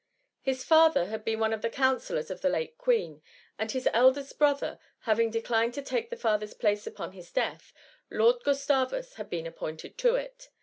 His father had been one of the counsellors of the late Queen, and his eldest brother having declined to take the father's place upon his death, Lord Gustavus had been appointed to it.